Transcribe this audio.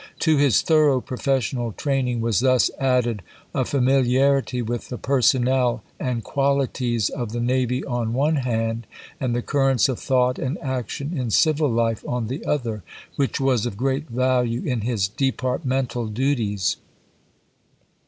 To his thorough professional train ing was thus added a familiarity with the personnel and qualities of the navy on one hand, and the currents of thought and action in civil life on the other, which was of great value in his departmental duties.